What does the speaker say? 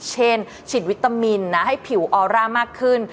ฉีดวิตามินนะให้ผิวออร่ามากขึ้น